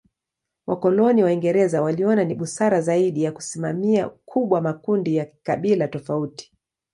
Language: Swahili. Wakoloni Waingereza waliona ni busara zaidi ya kusimamia kubwa makundi ya kikabila tofauti.